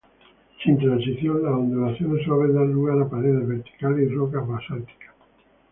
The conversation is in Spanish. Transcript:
Sin transición, las ondulaciones suaves dan lugar a paredes verticales y rocas basálticas.